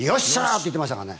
って言ってましたから。